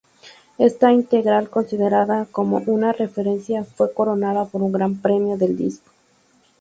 Esta integral, considerada como una referencia, fue coronada por un gran Premio del Disco.